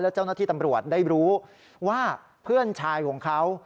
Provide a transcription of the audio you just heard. เจ้าหน้าที่ตำรวจได้รู้ว่าเพื่อนชายของเขา